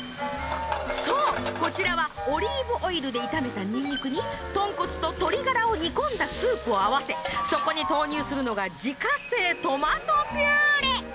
そうこちらはオリーブオイルで炒めたニンニクにトンコツと鶏ガラを煮込んだスープを合わせそこに投入するのが自家製トマトピューレ。